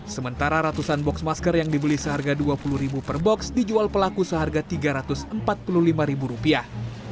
sementara ratusan box masker yang dibeli seharga dua puluh ribu per box dijual pelaku seharga tiga ratus empat puluh lima ribu rupiah